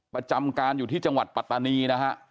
ประจำการอยู่ที่จังหวัดปัตตานีนะฮะ